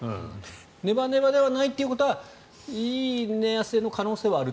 ねばねばではないということはいい寝汗の可能性はある？